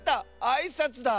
あいさつだ。